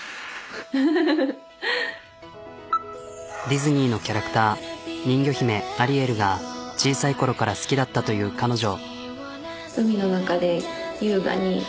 ディズニーのキャラクター人魚姫アリエルが小さいころから好きだったという彼女。